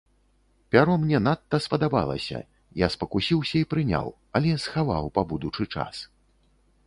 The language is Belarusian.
Пяро мне надта спадабалася, я спакусіўся і прыняў, але схаваў па будучы час.